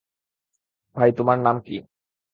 ভাই, তোমার নাম কী?